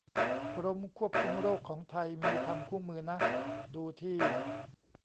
กรมควบคุมโรคของไทย มีทำคู่มือนะ ดูที่